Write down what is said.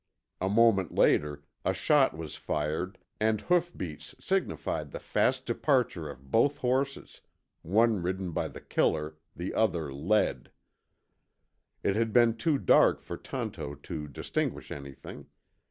A moment later a shot was fired and hoofbeats signified the fast departure of both horses, one ridden by the killer, the other led. It had been too dark for Tonto to distinguish anything.